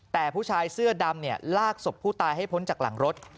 แต่ผู้ชายเสื้อดำลากศพผู้ตายให้พ้นจากหลังรถ